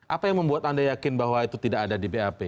apa yang membuat anda yakin bahwa itu tidak ada di bap